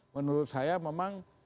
menurut saya memang